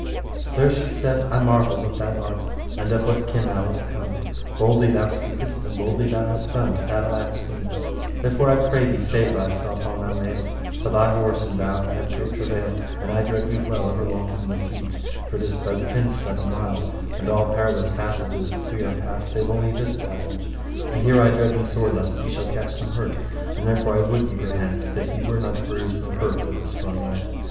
Sir, she said, I marvel what thou art and of what kin thou art come; boldly thou speakest, and boldly thou hast done, that have I seen; therefore I pray thee save thyself an thou mayest, for thy horse and thou have had great travail, and I dread we dwell over long from the siege, for it is but hence seven mile, and all perilous passages we are passed save all only this passage; and here I dread me sore lest ye shall catch some hurt, therefore I would ye were hence, that ye were not bruised nor hurt with this strong knight.